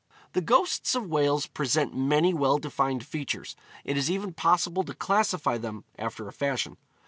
The ghosts of Wales present many well defined features. It is even possible to classify them, after a fashion.